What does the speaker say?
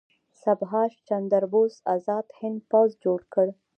سبهاش چندر بوس ازاد هند پوځ جوړ کړ.